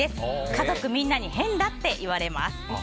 家族みんなに変だって言われます。